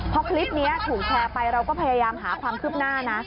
พอคลิปนี้ถูกแชร์ไปเราก็พยายามหาความคืบหน้านะ